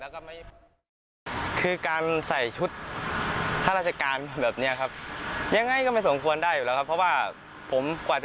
ก็มีอยู่แค่คำเดียวแล้วก็เก็บตังค์๑๐๐บาท